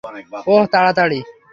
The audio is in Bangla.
ওহ, তাড়াতাড়ি।